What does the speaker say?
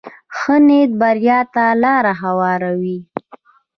ښه نیت بریا ته لاره هواروي.